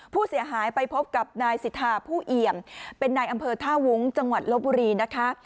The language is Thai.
ผู้เสียหายไปพบกับนายสิทธาผู้เอี่ยมเป็นนายอำเภอท่าวุ้งจังหวัดลบบุรีนะคะ